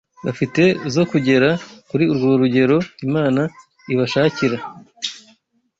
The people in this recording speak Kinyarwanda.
bafite zo kugera kuri urwo rugero Imana ibashakira